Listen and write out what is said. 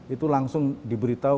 itu langsung diberitahu